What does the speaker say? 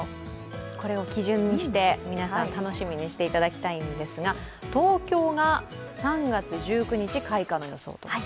これを基準にして皆さん、楽しみにしていただきたいんですが東京が３月１９日開花の予想と。